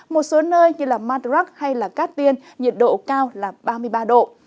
một số nơi như là madrak hay là cát tiên nhiệt độ cao là ba mươi ba độ